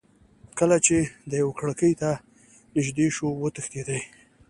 کله چې دېو کړکۍ ته نیژدې شو وتښتېدی.